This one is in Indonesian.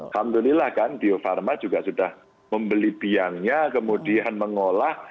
alhamdulillah kan bio farma juga sudah membeli biangnya kemudian mengolah